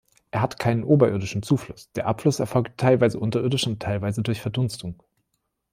Er hat keinen oberirdischen Zufluss, der Abfluss erfolgt teilweise unterirdisch und teilweise durch Verdunstung.